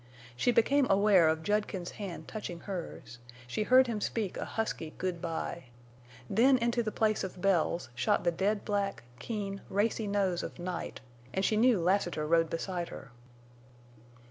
She became aware of Judkins's hand touching hers; she heard him speak a husky good by; then into the place of Bells shot the dead black, keen, racy nose of Night, and she knew Lassiter rode beside her.